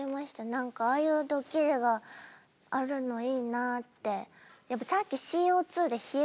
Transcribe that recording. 何かああいうドッキリがあるのいいなって。